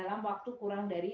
kita melakukan akselerasi